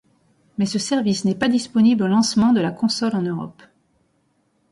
Mais ce service n'est pas disponible au lancement de la console en Europe.